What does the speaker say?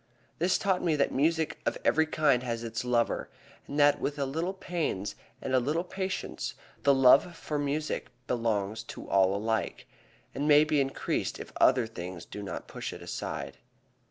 This taught me that music of every kind has its lover, and that with a little pains and a little patience the love for music belongs to all alike, and may be increased if other things do not push it aside.